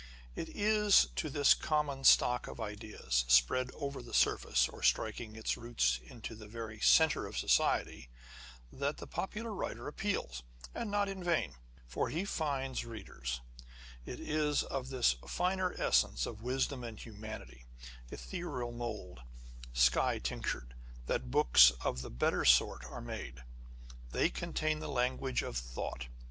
It is to this common stock of ideas, spread over the surface, or striking its roots into the very centre of society, that the popular writer appeals, and not in vain ; for he finds readers. It is of 32 On the Conversation of Authors. this finer essence of wisdom and humanity " etherial mould, sky tinctured," that books of the better sort are made. They contain the language of thought.